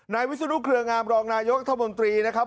นายวิศูนย์เครืองามรองนายกับโทษมนตรีนะครับ